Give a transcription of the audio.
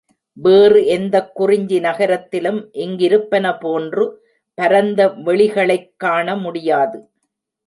வேறு எந்தக் குறிஞ்சி நகரத்திலும் இங்கிருப்பன போன்று பரந்த வெளிகளைக் காண முடியாது.